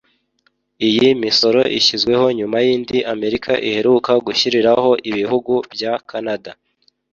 Iyi misoro ishyizweho nyuma y’indi Amerika iheruka gushyiriraho ibihugu bya Canada